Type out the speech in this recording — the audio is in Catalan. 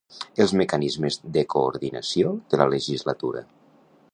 Els mecanismes de coordinació de la legislatura.